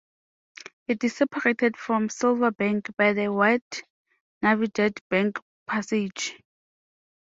It is separated from Silver Bank by the wide Navidad Bank Passage.